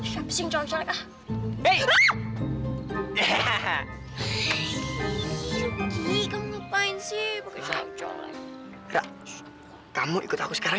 siapa sih cowok cowok ah eh hahaha hai ini kamu ngapain sih pakai cowok cowok kamu ikut aku sekarang